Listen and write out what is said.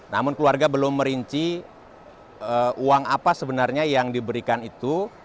namun keluarga belum merinci uang apa sebenarnya yang diberikan itu